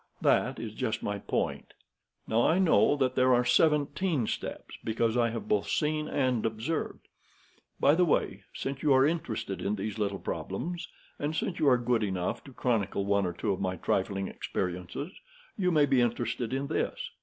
That is just my point. Now, I know there are seventeen steps, because I have both seen and observed. By the way, since you are interested in these little problems, and since you are good enough to chronicle one or two of my trifling experiences, you may be interested in this."